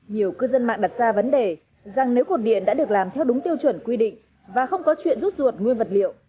nhiều cư dân mạng đặt ra vấn đề rằng nếu cột điện đã được làm theo đúng tiêu chuẩn quy định và không có chuyện rút ruột nguyên vật liệu